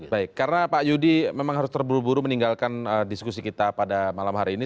baik karena pak yudi memang harus terburu buru meninggalkan diskusi kita pada malam hari ini